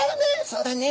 「そうだね